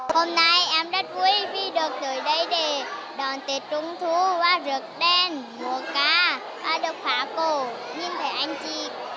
hôm nay em rất vui vì được tới đây để đón tết trung thu qua rực đen mùa ca và được phá cổ nhìn thấy anh chị